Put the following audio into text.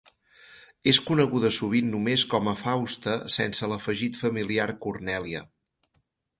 És coneguda sovint només com a Fausta sense l'afegit familiar Cornèlia.